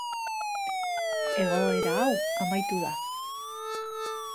Egoera hau amaitu da.